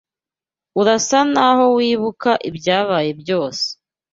Urasa naho wibuka ibyabaye byose.